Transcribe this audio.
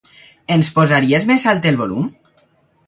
Ens posaries més alt el volum?